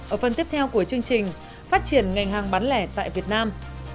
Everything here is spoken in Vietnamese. ở phần tiếp theo của chương trình phát triển ngành hàng bán lẻ tại việt nam